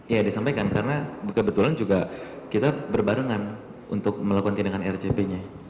ya disampaikan karena kebetulan juga kita berbarengan untuk melakukan tindakan rcp nya